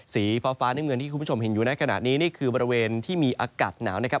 สีฟ้าน้ำเงินที่คุณผู้ชมเห็นอยู่ในขณะนี้นี่คือบริเวณที่มีอากาศหนาวนะครับ